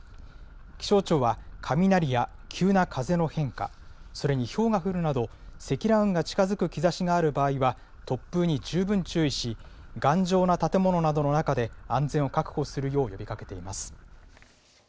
気象庁は、雷や急な風の変化、それにひょうが降るなど、積乱雲が近づく兆しがある場合には突風に十分注意し、頑丈な建物などの中で安全を確保するよう呼びかけています。